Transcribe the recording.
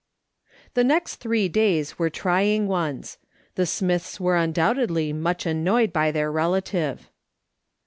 The next three days were trying ones. The Smitlis were undoubtedly much annoyed by their relative.